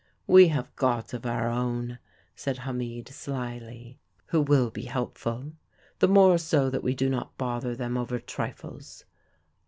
'We have gods of our own,' said Hamid slily, 'who will be helpful the more so that we do not bother them over trifles.